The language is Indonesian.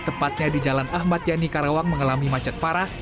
tepatnya di jalan ahmad yani karawang mengalami macet parah